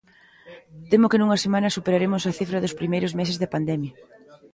Temo que nunhas semanas superaremos a cifra dos primeiros meses da pandemia.